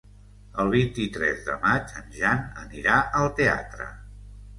El vint-i-tres de maig en Jan anirà al teatre.